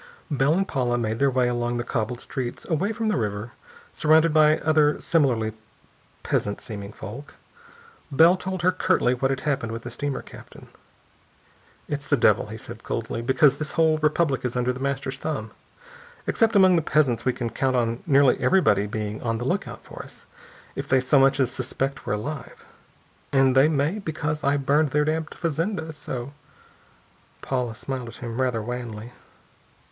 Bell and Paula made their way along the cobbled streets away from the river, surrounded by other similarly peasant seeming folk. Bell told her curtly what had happened with the steamer captain. "It's the devil," he said coldly, "because this whole republic is under The Master's thumb. Except among the peasants we can count on nearly everybody being on the lookout for us, if they so much as suspect we're alive. And they may because I burned their damned fazenda. So...." Paula smiled at him, rather wanly.